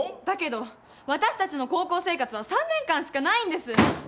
だけど私たちの高校生活は３年間しかないんです。